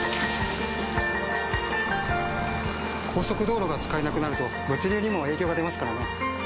速道路が使えなくなると物流にも影響が出ますからね。